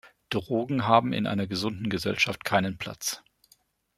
Drogen haben in einer gesunden Gesellschaft keinen Platz.